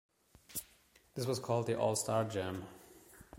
This was called "The All-Star Jam".